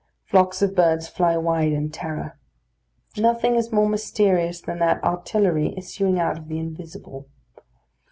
Flocks of birds fly wide in terror. Nothing is more mysterious than that artillery issuing out of the invisible.